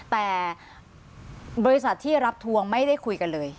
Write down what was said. แต่บริษัทที่รับทวงไม่ได้คุยกันเลย